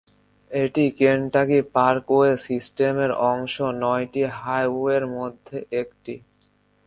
এটি Kentucky parkway সিস্টেমের অংশ নয়টি হাইওয়ের মধ্যে একটি।